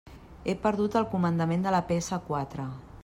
He perdut el comandament de la pe essa quatre.